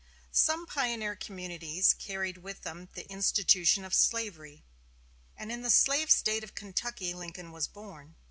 Some pioneer communities carried with them the institution of slavery; and in the slave State of Kentucky Lincoln was born.